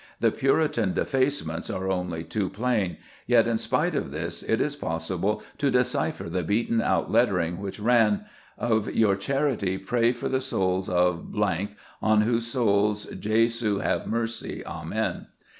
The Puritan defacements are only too plain, yet, in spite of this, it is possible to decipher the beaten out lettering, which ran: "Of youre charite praye for the soules of ... on whoos soulys Jesu have m'cy, Amen."